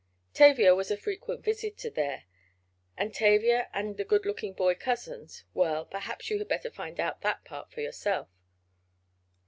Tavia was a frequent visitor there, and Tavia and the good looking boy cousins—well, perhaps you had better find out that part for yourself.